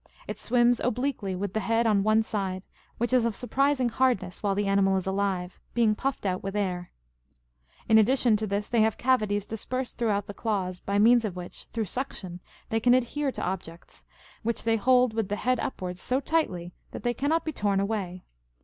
It swims obliquely, ^"^ with the head on one side, which is of surprising hardness while the animal is alive, being puffed out with air.^^ In addition to this, they have cavities ^^ dispersed throughout the claws, by means of which, through suction, they can adhere to objects ; which they hold, with the head upwards, so tightly, that they cannot be torn away.